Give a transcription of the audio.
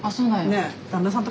ねえ。